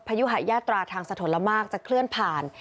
ยุหายาตราทางสะทนละมากจะเคลื่อนผ่าน